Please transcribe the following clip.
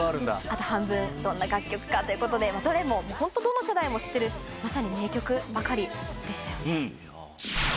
あと半分どんな楽曲かということでどれもどの世代も知ってるまさに名曲ばかりでしたよね。